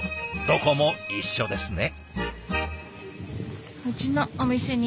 どこも一緒ですね。